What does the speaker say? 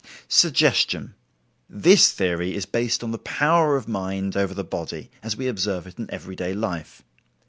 Suggestion. This theory is based on the power of mind over the body as we observe it in everyday life.